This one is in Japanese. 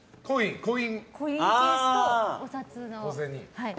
コインケースとお札の。